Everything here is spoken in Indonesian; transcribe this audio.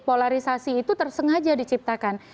polarisasi itu tersengaja diciptakan